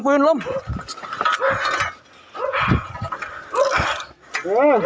จัดกระบวนพร้อมกัน